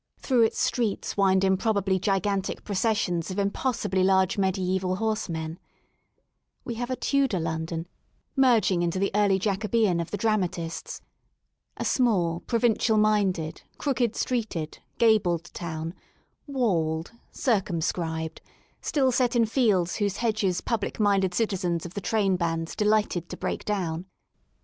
Through its streets wind improbably gi gantic processions of impossibly large mediaeval horse men We have a Tudor London merging into the early Jacobean of the dramatists — a small, provincial minded, crooked s tree ted, gabled town, walled, cir cumscribed, still set in fields whose hedges public minded citizens of the train bands delighted to break down.